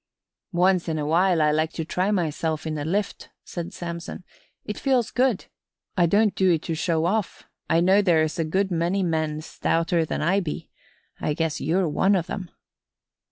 "Once in a while I like to try myself in a lift," said Samson. "It feels good. I don't do it to show off. I know there's a good many men stouter than I be. I guess you're one of 'em."